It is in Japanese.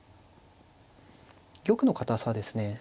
玉の堅さですね